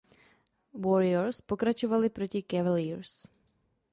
Warriors pokračovali proti Cavaliars.